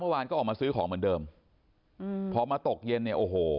แล้วคุณยายสมฤทนี่พอค้าแม่ค้า